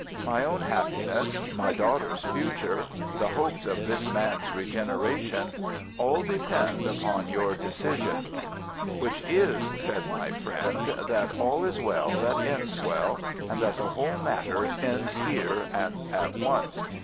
My own happiness, my daughter's future, the hopes of this man's regeneration, all depend upon your decision." "Which is," said my friend, "that all is well that ends well, and that the whole matter ends here and at once.